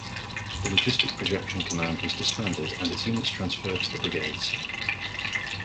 The Logistic Projection Command was disbanded and its units transferred to the brigades.